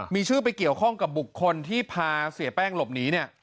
มีชื่อไปเกี่ยวข้องกับบุคคลที่พาเสียแป้งหลบหนีเนี่ย